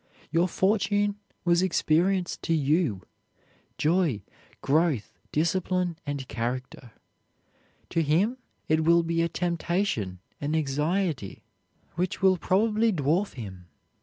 Your fortune was experience to you, joy, growth, discipline, and character; to him it will be a temptation, an anxiety, which will probably dwarf him.